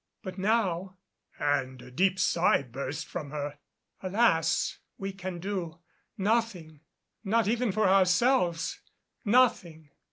But now," and a deep sigh burst from her, "alas! we can do nothing, not even for ourselves nothing!"